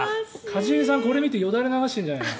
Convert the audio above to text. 一茂さん、これ見てよだれ流してるんじゃないの？